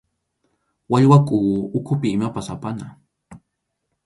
Wallwakʼu ukhupi imapas apana.